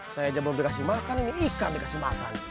saya aja belum dikasih makan ini ikan dikasih makan